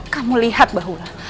kamu lihat bahula